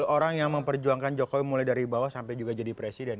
orang yang memperjuangkan jokowi mulai dari bawah sampai juga jadi presiden